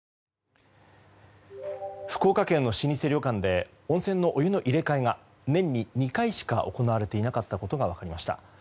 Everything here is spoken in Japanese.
福岡県の老舗旅館で温泉のお湯の入れ替えが年に２回しか行われていなかったことが分かりました。